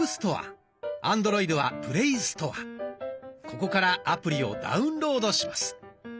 ここからアプリをダウンロードします。